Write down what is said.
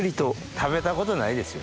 食べたことないですよ